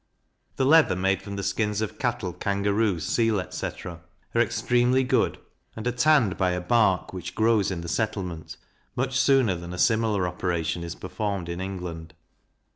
The leather made from the skins of cattle, kangaroo, seal, etc. are extremely good, and are tanned by a bark which grows in the settlement, much sooner than a similar operation is performed in England.